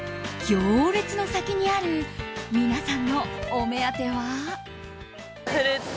行列の先にある皆さんのお目当ては。